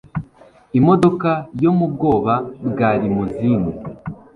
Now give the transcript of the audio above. imodoka yo mubwoba bwa rimozine